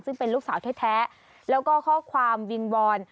ซึ่งเป็นลูกสาวแท้แล้วก็ข้อความวิงวอน